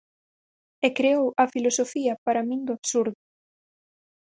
E creou a filosofía para min do absurdo.